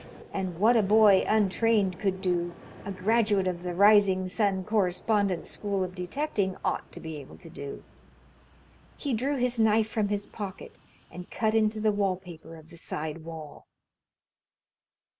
And what a boy, untrained, could do, a graduate of the Rising Sun Correspondence School of Detecting ought to be able to do! He drew his knife from his pocket and cut into the wall paper of the side wall.